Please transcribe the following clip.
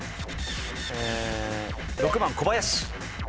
６番小林。